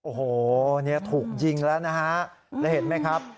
โอ้โหเนี่ยถูกยิงแล้วนะฮะแล้วเห็นไหมครับ